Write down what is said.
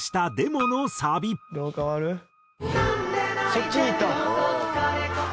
そっちにいった！